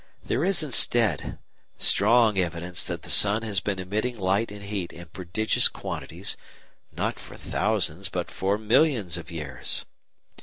There is, instead, strong evidence that the sun has been emitting light and heat in prodigious quantities, not for thousands, but for millions of years.